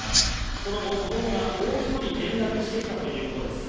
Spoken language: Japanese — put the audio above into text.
その後、子供がもう１人、転落してきたということです。